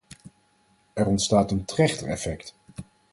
Er ontstaat een trechtereffect.